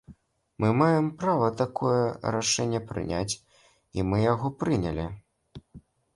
Мы маем права такое рашэнне прыняць, і мы яго прынялі.